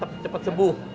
tetap cepat sembuh